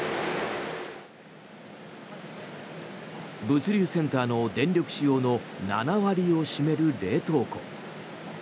物流センターの電力使用の７割を占める冷凍庫。